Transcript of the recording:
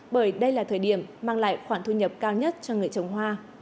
bởi đây là thời điểm mang lại khoản thu nhập cao nhất cho người trồng hoa